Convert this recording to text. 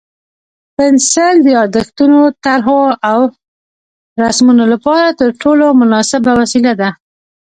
پنسل د یادښتونو، طرحو او رسمونو لپاره تر ټولو مناسبه وسیله ده.